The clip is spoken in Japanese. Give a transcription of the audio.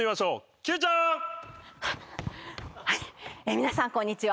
皆さんこんにちは。